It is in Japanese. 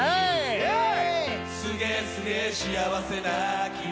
イエーイ！